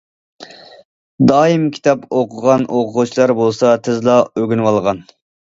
دائىم كىتاب ئوقۇغان ئوقۇغۇچىلار بولسا تېزلا ئۆگىنىۋالغان.